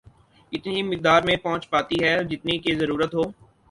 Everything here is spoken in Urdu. اتنی ہی مقدار میں پہنچ پاتی ہے جتنی کہ ضرورت ہو